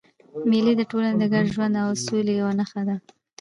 مېلې د ټولني د ګډ ژوند او سولي یوه نخښه ده.